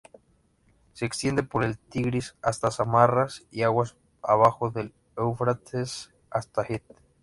Se extiende por el Tigris hasta Samarra y aguas abajo del Éufrates hasta Hit.